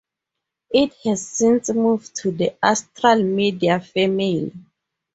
It has since moved to the Astral Media family.